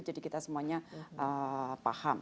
jadi kita semuanya paham